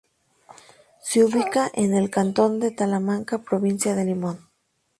Se ubica en el cantón de Talamanca, provincia de Limón.